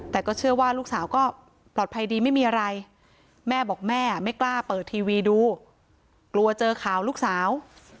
แต่ก็เชื่อว่าลูกสาวก็ปลอดภัยดีไม่มีอะไรแม่บอกแม่ไม่กล้าเปิดทีวีดูกลัวเจอข่าวลูกสาว